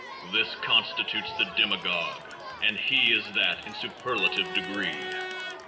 This constitutes the demagogue, and he is that in superlative degree.